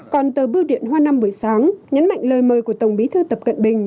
còn tờ bưu điện hoa năm buổi sáng nhấn mạnh lời mời của tổng bí thư tập cận bình